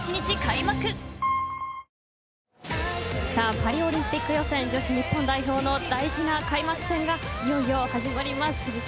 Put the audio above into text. パリオリンピック予選女子日本代表の大事な開幕戦がいよいよ始まります。